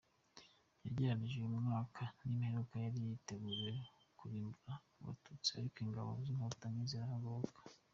Yagereranyije uyu mwaka n’imperuka yari yateguriwe kurimbura Abatutsi ariko ingabo z’Inkotanyi zirahagoboka.